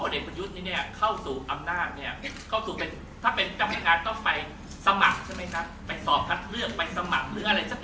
แล้วแต่ว่าจะเชื่อใคร